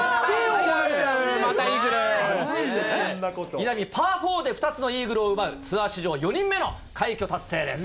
稲見、パー４でイーグルを奪うツアー史上４人目の快挙達成です。